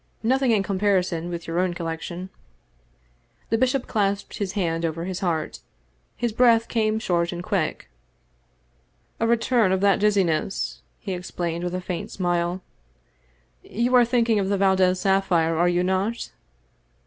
Nothing in comparison with your own col lection." The bishop clasped his hand over his heart. His breath came short and quick. " A return of that dizziness," he explained with a faint smile. " You are thinking of the Valdez sapphire, are you not